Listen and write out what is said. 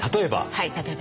はい例えば？